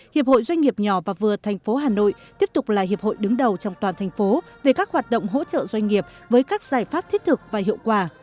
hiệp hội doanh nghiệp nhỏ và vừa thành phố hà nội tiếp tục là hiệp hội đứng đầu trong toàn thành phố về các hoạt động hỗ trợ doanh nghiệp với các giải pháp thiết thực và hiệu quả